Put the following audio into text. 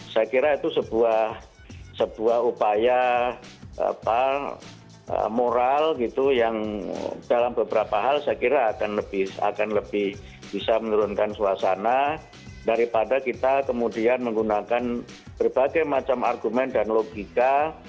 saya kira itu sebuah upaya moral gitu yang dalam beberapa hal saya kira akan lebih bisa menurunkan suasana daripada kita kemudian menggunakan berbagai macam argumen dan logika